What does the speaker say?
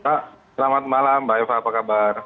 selamat malam mbak eva apa kabar